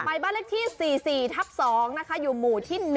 ไปบ้านเลขที่๔๔๒อยู่หมู่ที่๑